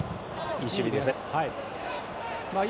いい守備ですね。